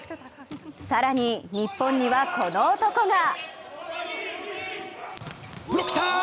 更に日本にはこの男が。